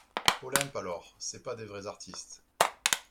Olympe Alors, c'est pas des vrais artistes …